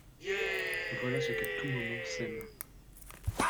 Voilà ce qu'à tout moment sème